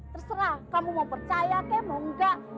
terserah kamu mau percaya kayak mau enggak